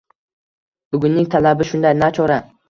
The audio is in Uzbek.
Bugunning talabi shunday, nachora.